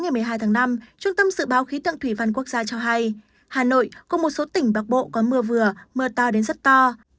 ngày một mươi hai tháng năm trung tâm dự báo khí tượng thủy văn quốc gia cho hay hà nội cùng một số tỉnh bắc bộ có mưa vừa mưa to đến rất to